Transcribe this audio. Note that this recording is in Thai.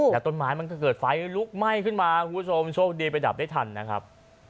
แล้วต้นไม้มันก็เกิดไฟลุกไหม้ขึ้นมาคุณผู้ชมโชคดีไปดับได้ทันนะครับ